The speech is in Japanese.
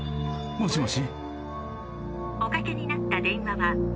もしもし？